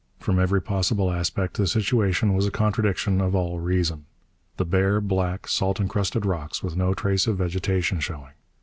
From every possible aspect the situation was a contradiction of all reason. The bare, black, salt encrusted rocks with no trace of vegetation showing.